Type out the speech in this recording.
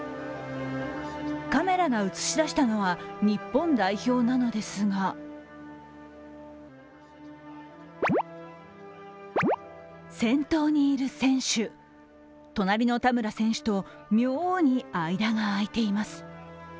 カメラが映し出したのは日本代表なのですが先頭にいる選手、隣の田村選手と妙に間が開いています。